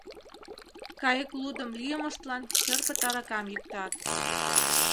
Кайык лудым лӱйымыштлан черпыт аракам йӱктат...